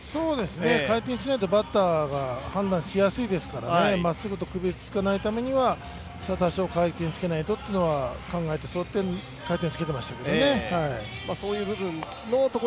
回転しないとバッターが判断しやすいですからまっすぐと区別つけないためには回転数で変化つけないとと考えて、そうやって回転をつけていましたけどね。